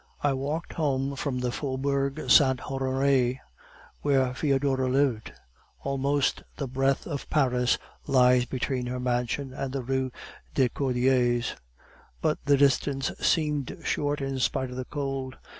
"I walked home from the Faubourg St. Honore, where Foedora lived. Almost all the breadth of Paris lies between her mansion and the Rue des Cordiers, but the distance seemed short, in spite of the cold.